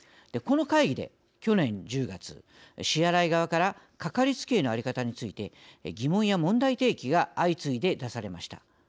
この会議で、去年１０月支払い側からかかりつけ医の在り方について疑問や問題提起が相次いで出されました。